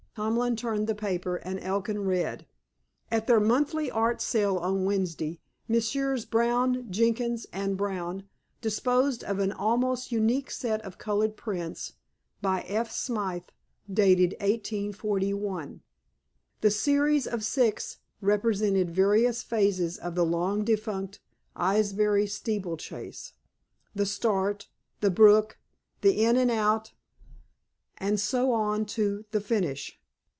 Tomlin turned the paper, and Elkin read: At their monthly art sale on Wednesday Messrs. Brown, Jenkins and Brown disposed of an almost unique set of colored prints, by F. Smyth, dated 1841. The series of six represented various phases of the long defunct Aylesbury Steeplechase, "The Start," "The Brook," "The In and Out," and so on to "The Finish."